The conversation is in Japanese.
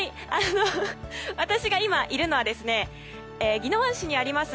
私が今いるのは宜野湾市にあります